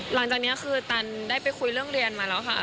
หลังจากนี้คือตันได้ไปคุยเรื่องเรียนมาแล้วค่ะ